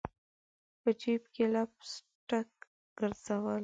په جیب کي لپ سټک ګرزول